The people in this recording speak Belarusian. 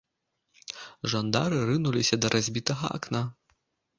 Жандары рынуліся да разбітага акна.